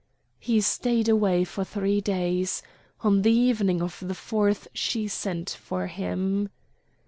He stayed away for three days; on the evening of the fourth she sent for him.